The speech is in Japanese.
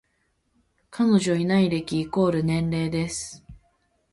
彼女いない歴イコール年齢です